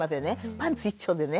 パンツ一丁でね。